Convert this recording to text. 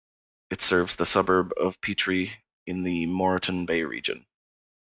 It serves the suburb of Petrie in the Moreton Bay Region.